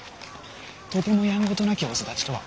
とてもやんごとなきお育ちとは思えない。